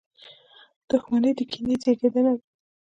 • دښمني د کینې زېږنده ده.